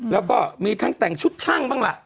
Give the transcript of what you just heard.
แล้วก็มีทั้งแต่งชุดช่างบ้างล่ะ